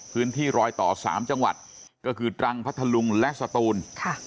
พื้นที่รอยต่อ๓จังหวัดก็คือตรังพัทธลุงและสตูน